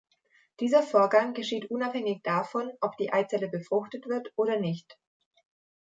Dieser Vorgang geschieht unabhängig davon, ob die Eizelle befruchtet wird oder nicht.